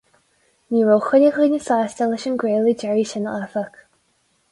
Ní raibh chuile dhuine sásta leis an gcraoladh deiridh sin, áfach.